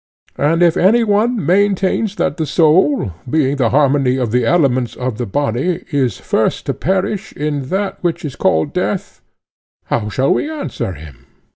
And if any one maintains that the soul, being the harmony of the elements of the body, is first to perish in that which is called death, how shall we answer him?